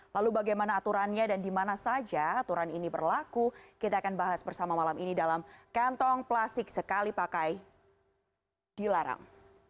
lalu bagaimana aturannya dan dimana saja aturan ini berlaku kita akan bahas bersama malam ini dalam kantong plastik sekali pakai dilarang